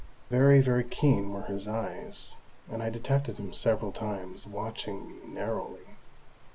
Very, very keen were his eyes, and I detected him several times watching me narrowly.